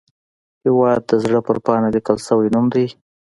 هیواد د زړه پر پاڼه لیکل شوی نوم دی